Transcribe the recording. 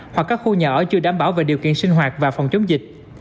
hoặc các khu nhà ở chưa đảm bảo về điều kiện sinh hoạt và phòng chống dịch